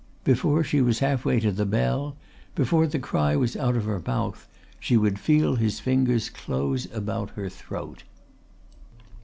Before she was half way to the bell, before the cry was out of her mouth she would feel his fingers close about her throat.